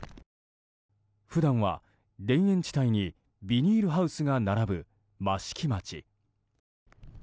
普段は田園地帯にビニールハウスが並ぶ益城町。